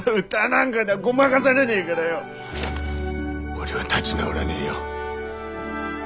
俺は立ぢ直らねえよ。